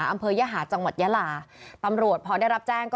อำเภอยหาส์จังหวัดยราปำหลวดพอได้รับแจ้ง